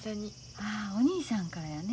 ああお兄さんからやね。